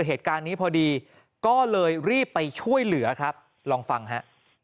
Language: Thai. เหตุการณ์นี้พอดีก็เลยรีบไปช่วยเหลือครับลองฟังฮะ